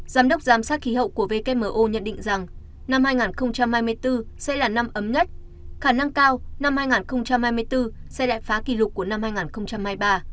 giám đốc giám sát khí hậu của wmo nhận định rằng năm hai nghìn hai mươi bốn sẽ là năm ấm nhất khả năng cao năm hai nghìn hai mươi bốn sẽ đại phá kỷ lục của năm hai nghìn hai mươi ba